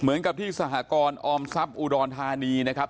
เหมือนกับที่สหกรออมทรัพย์อุดรธานีนะครับ